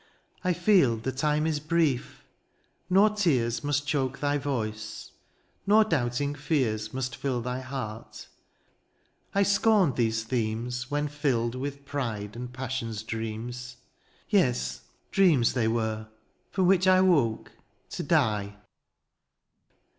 ^^ I feel the time is brief — ^nor tears " Must choke thy voice — nor doubting fears ^^ Must fill thy heart :— I scorned lihese themes " When fiUed with pride and passion^s dreams ^^ Yes, dreams they were, from which I woke « To die.